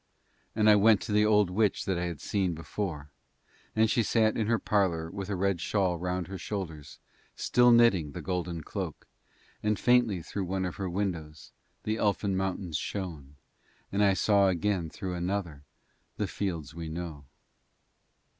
And I went to the old witch that I had seen before and she sat in her parlour with a red shawl round her shoulders still knitting the golden cloak, and faintly through one of her windows the elfin mountains shone and I saw again through another the fields we know.